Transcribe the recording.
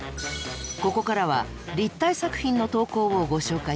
ここからは立体作品の投稿をご紹介します。